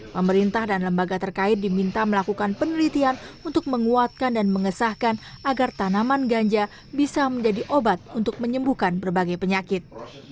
pemerintah dan lembaga terkait diminta melakukan penelitian untuk menguatkan dan mengesahkan agar tanaman ganja bisa menjadi obat untuk menyembuhkan berbagai penyakit